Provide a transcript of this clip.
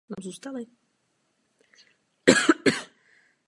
Intervence pro hospodářský rozvoj jsou na uvážení a vlastní zájem zúčastněných stran.